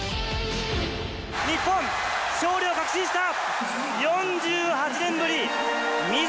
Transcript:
日本、勝利を確信した。